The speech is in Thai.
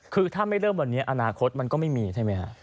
คือถ้าไม่เริ่มวันนี้อนาคตมันก็ไม่มีใช่ไหมฮะ